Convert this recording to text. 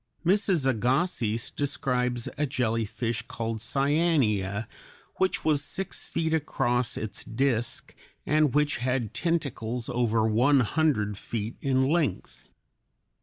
Mrs. Agassiz describes a jellyfish called Cyanea which was six feet across its disk and which had tentacles over one hundred feet in length.